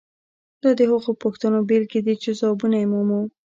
دا د هغو پوښتنو بیلګې دي چې ځوابونه یې مومو.